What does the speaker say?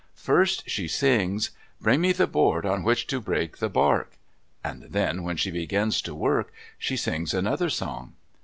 First she sings, "Bring me the board on which to break the bark," and then when she begins to work, she sings another song.